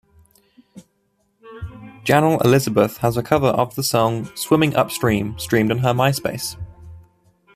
Janel Elizabeth has a cover of the song "Swimming Upstream" streamed on her Myspace.